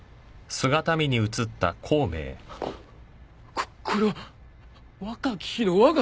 ここれは若き日のわが姿！